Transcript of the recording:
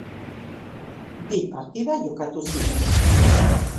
Bi partida jokatu ziren.